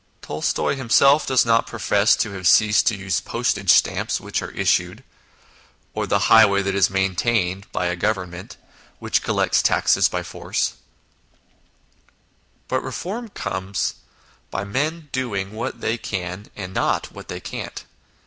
Tolstoy himself does not profess to have ceased to use postage stamps which are issued, or the highway that is main tained, by a Government which collects taxes by force ; but reforms come by men doing what they can, not what they can't.